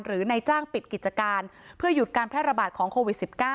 ในจ้างปิดกิจการเพื่อหยุดการแพร่ระบาดของโควิด๑๙